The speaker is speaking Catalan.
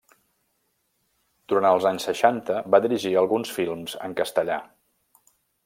Durant els anys seixanta va dirigir alguns films en castellà.